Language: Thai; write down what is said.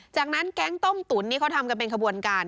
จากนั้นแก๊งต้มตุ๋นนี่เขาทำกันเป็นขบวนการ